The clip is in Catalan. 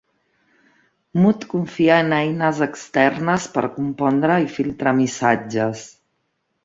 Mutt confia en eines externes per compondre i filtrar missatges.